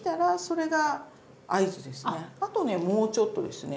あとねもうちょっとですね。